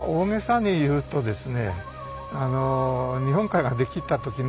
大げさに言うとですね。